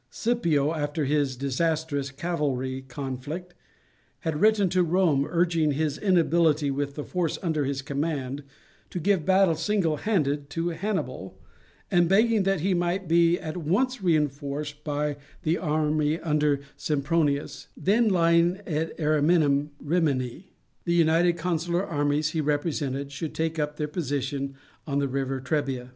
Scipio, after his disastrous cavalry conflict, had written to Rome urging his inability, with the force under his command, to give battle single handed to Hannibal, and begging that he might be at once reinforced by the army under Sempronius, then lying at Ariminum (Rimini). The united consular armies, he represented, should take up their position on the river Trebia.